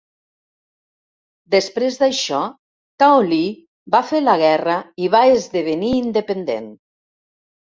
Després d'això Tao li va fer la guerra i va esdevenir independent.